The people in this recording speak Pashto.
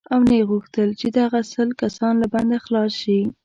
او نه یې غوښتل چې دغه سل کسان له بنده خلاص شي.